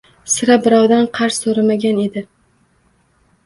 Sira birovdan qarz so‘ramagan edi